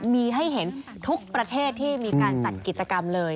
มีให้เห็นทุกประเทศที่มีการจัดกิจกรรมเลย